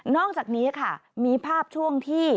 อกจากนี้ค่ะมีภาพช่วงที่